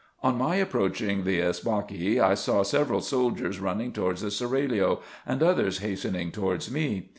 On my approaching the Esbakie, I saw several soldiers running towards the seraglio, and others hastening towards me.